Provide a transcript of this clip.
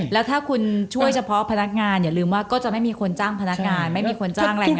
แล้วถ้าคุณช่วยเฉพาะพนักงานอย่าลืมว่าก็จะไม่มีคนจ้างพนักงานไม่มีคนจ้างแรงงาน